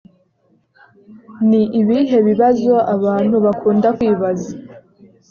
ni ibihe bibazo abantu bakunda kwibaza